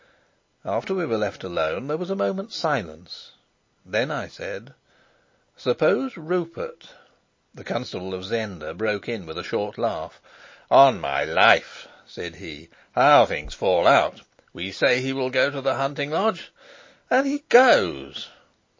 After we were left alone, there was a moment's silence. Then I said: "Suppose Rupert " The Constable of Zenda broke in with a short laugh. "On my life," said he, "how things fall out! We say he will go to the hunting lodge, and he goes!"